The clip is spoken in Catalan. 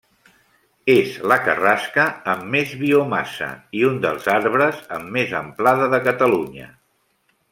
És la Carrasca amb més biomassa i un dels arbres amb més amplada de Catalunya.